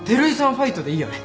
ファイトでいいよね？